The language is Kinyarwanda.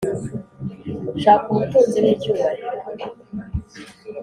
shaka ubutunzi n’icyubahiro,